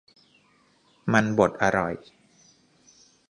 มันบดอร่อย